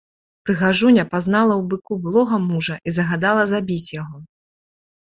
Прыгажуня пазнала ў быку былога мужа і загадала забіць яго.